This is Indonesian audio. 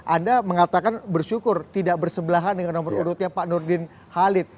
anda mengatakan bersyukur tidak bersebelahan dengan nomor urutnya pak nurdin halid